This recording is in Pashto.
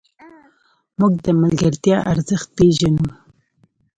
موږ د ملګرتیا ارزښت پېژنو.